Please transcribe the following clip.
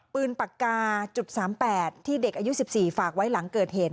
ปืนปากกา๓๘ที่เด็กอายุ๑๔ฝากไว้หลังเกิดเหตุ